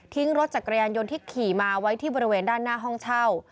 รถจักรยานยนต์ที่ขี่มาไว้ที่บริเวณด้านหน้าห้องเช่า